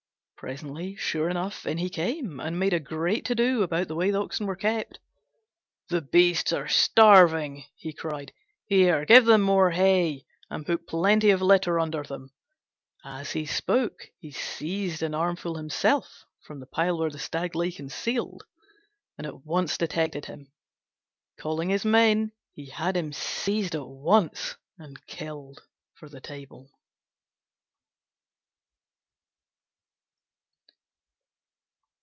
Presently, sure enough, in he came, and made a great to do about the way the Oxen were kept. "The beasts are starving," he cried; "here, give them more hay, and put plenty of litter under them." As he spoke, he seized an armful himself from the pile where the Stag lay concealed, and at once detected him. Calling his men, he had him seized at once and killed for the table.